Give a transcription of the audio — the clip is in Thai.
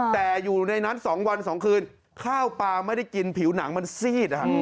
แต่อยู่ในนั้น๒วัน๒คืนข้าวปลาไม่ได้กินผิวหนังมันซีด